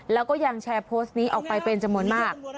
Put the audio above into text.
แล้วก็ยังแชร์โพสต์นี้ออกไปเป็นจำนวนมาก